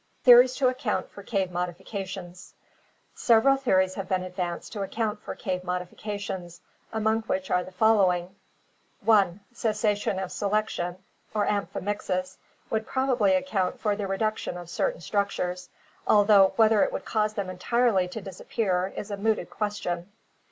Theories to Account for Cave Modifications. — Several theories have been advanced to account for cave modifications, among which are the following: 1. Cessation of selection or amphimixis would probably account for the reduction of certain structures, although whether it would cause them entirely to disappear is a mooted question.